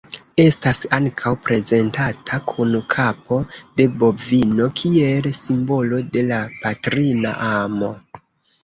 Estas ankaŭ prezentata kun kapo de bovino kiel simbolo de la patrina amo.